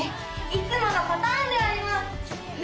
いつものパターンであります。